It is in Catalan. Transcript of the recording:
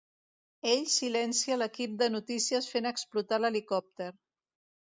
Ell silencia l'equip de notícies fent explotar l'helicòpter.